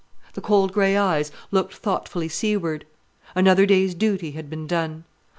The cold grey eyes looked thoughtfully seaward. Another day's duty had been done.